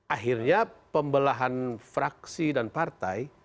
akhirnya pembelahan fraksi dan partai